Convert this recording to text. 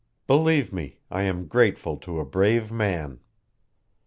Believe me I am grateful to a brave man."